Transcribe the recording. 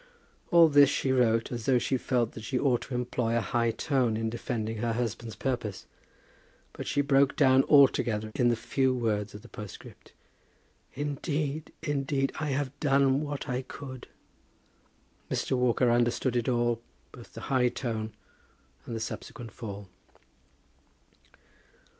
All this she wrote, as though she felt that she ought to employ a high tone in defending her husband's purpose; but she broke down altogether in the few words of the postscript. "Indeed, indeed I have done what I could!" Mr. Walker understood it all, both the high tone and the subsequent fall.